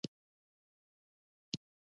ایا مصنوعي ځیرکتیا د عامه شعور لار نه ګډوډوي؟